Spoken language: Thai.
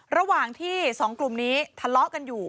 ระหว่างที่สองกลุ่มนี้ทะเลาะกันอยู่